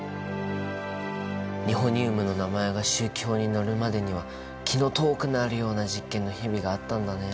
ニホニウムの名前が周期表に載るまでには気の遠くなるような実験の日々があったんだね。